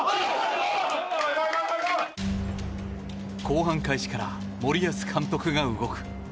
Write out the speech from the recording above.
後半開始から森保監督が動く。